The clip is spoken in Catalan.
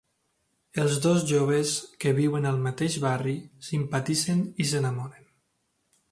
Els dos joves que viuen al mateix barri, simpatitzen i s'enamoren.